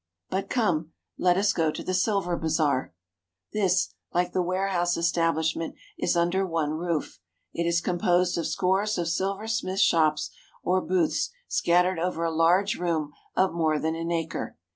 But come, let us go to the silver bazaar. This, like the warehouse establishment, is under one roof. It is composed of scores of silversmith shops or booths scattered over a large room of more than an acre.